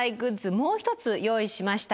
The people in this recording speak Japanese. もう一つ用意しました。